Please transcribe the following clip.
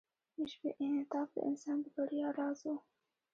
د ژبې انعطاف د انسان د بریا راز و.